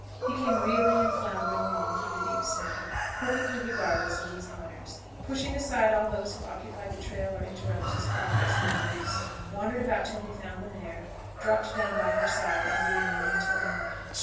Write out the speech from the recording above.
He came reeling and floundering along through the deep snow, perfectly regardless of these honors, pushing aside all those who occupied the trail or interrupted his progress in the least, wandered about until he found the mare, dropped down by her side, and remained until morning.